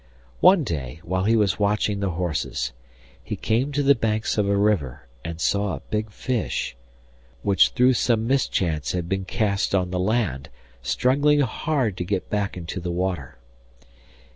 One day, while he was watching the horses, he came to the banks of a river, and saw a big fish, which through some mischance had been cast on the land, struggling hard to get back into the water.